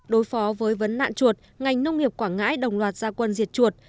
đối phó với vấn nạn chuột ngành nông nghiệp quảng ngãi đồng loạt gia quân diệt chuột